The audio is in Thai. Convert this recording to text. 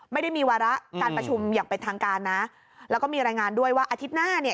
ไม่ได้มีวาระการประชุมอย่างเป็นทางการนะแล้วก็มีรายงานด้วยว่าอาทิตย์หน้าเนี่ย